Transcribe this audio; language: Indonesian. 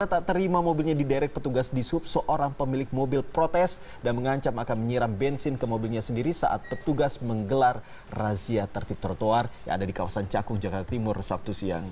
tak terima mobilnya diderek petugas di sub seorang pemilik mobil protes dan mengancam akan menyiram bensin ke mobilnya sendiri saat petugas menggelar razia tertib trotoar yang ada di kawasan cakung jakarta timur sabtu siang